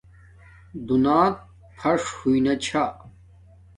دنیݳت فَݽ ہݸئنݳ چھݳ.